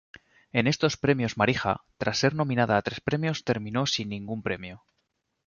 En estos premios Marija, tras ser nominada a tres premios, terminó sin ningún premio.